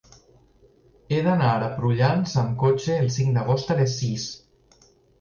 He d'anar a Prullans amb cotxe el cinc d'agost a les sis.